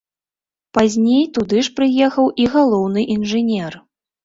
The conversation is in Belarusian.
Пазней туды ж прыехаў і галоўны інжынер.